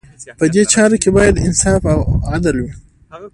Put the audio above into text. په دې چارو کې باید انصاف او عدل وي.